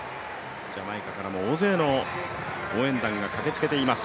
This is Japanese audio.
ジャマイカからも大勢の応援団が駆けつけています。